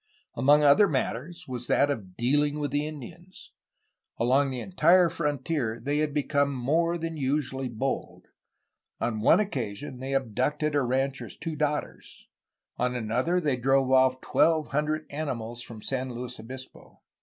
Among other matters was that of dealing with the Indians. Along the entire frontier they had become more than usually bold. On one occasion they abducted a rancher's two daughters; on another they drove off twelve hundred animals from San Luis Obispo.